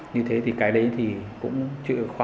như thế thì cái đấy thì cũng chứa khóa